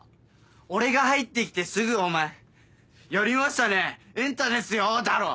俺が入ってきてすぐお前「やりましたね『エンタ』ですよ」だろ！